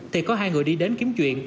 thì có hai người đi đến kiếm chuyện